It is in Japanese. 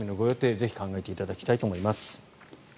ぜひ考えていただきたいと思います。